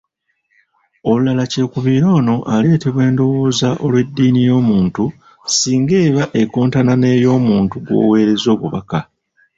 Olulala kyekubiira ono aleetebwa endowooza olw’eddiini y’omuntu singa eba ekontana n’ey’omuntu gw’oweereza obubaka.